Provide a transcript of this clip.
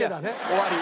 終わり。